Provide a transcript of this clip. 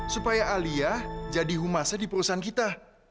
supaya alia jadi humase di perusahaan kita